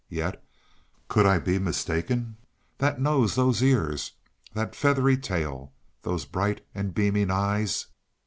Yet, could I be mistaken? That nose, those ears, that feathery tail, those bright and beaming eyes!